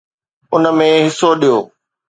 ان ۾ حصو ڏيو.